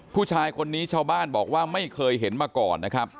ผู้ชายคนนี้ชาวบ้านบอกว่าไม่เคยเห็นมาก่อนนะครับ